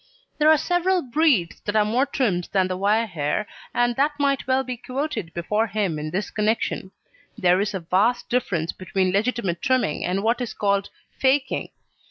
There are several breeds that are more trimmed than the wire hair, and that might well be quoted before him in this connection. There is a vast difference between legitimate trimming, and what is called "faking."